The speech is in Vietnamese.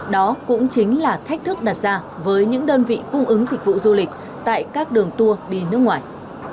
đó cũng chính là thách thức đặt ra với những đơn vị cung ứng dịch vụ du lịch tại các đường tour đi nước ngoài